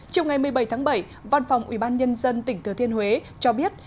chiều ngày một mươi bảy tháng bảy văn phòng ubnd tỉnh thừa thiên huế cho biết